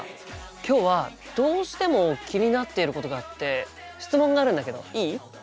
今日はどうしても気になっていることがあって質問があるんだけどいい？